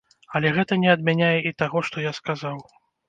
Але гэта не адмяняе і таго, што я сказаў.